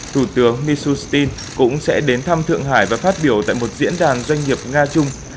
thủ tướng mishustin cũng sẽ đến thăm thượng hải và phát biểu tại một diễn đàn doanh nghiệp nga trung